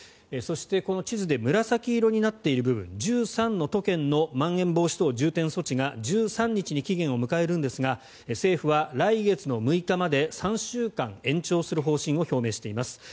そして、この地図で紫色になっている部分１３の都県のまん延防止等重点措置が１３日に期限を迎えるんですが政府は来月６日まで３週間延長する方針を表明しています。